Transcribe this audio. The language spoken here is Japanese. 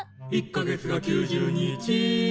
「１か月が９０日」